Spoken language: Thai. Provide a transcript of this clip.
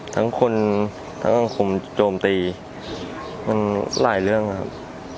ทั้งคนทั้งสังคมโจมตีมันหลายเรื่องนะครับ